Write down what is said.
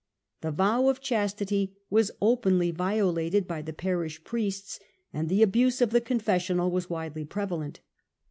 The vow of chastity was openly violated by the parish priests and the abuse of the confessional was widely prevalent.